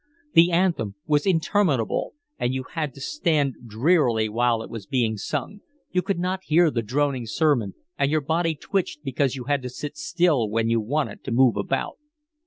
The anthem was interminable, and you had to stand drearily while it was being sung; you could not hear the droning sermon, and your body twitched because you had to sit still when you wanted to move about.